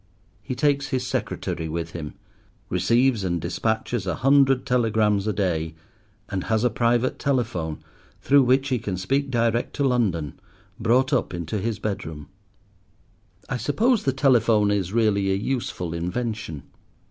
He takes his secretary with him, receives and despatches a hundred telegrams a day, and has a private telephone, through which he can speak direct to London, brought up into his bedroom. I suppose the telephone is really a useful invention.